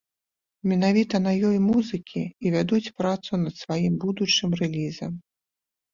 Менавіта на ёй музыкі і вядуць працу над сваім будучым рэлізам.